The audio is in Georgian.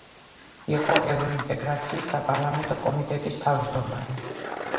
იყო ევროინტეგრაციის საპარლამენტო კომიტეტის თავმჯდომარე.